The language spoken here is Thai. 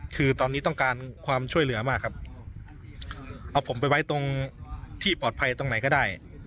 คือตอนนี้ต้องการความช่วยเหลือมากครับเอาผมไปไว้ตรงที่ปลอดภัยตรงไหนก็ได้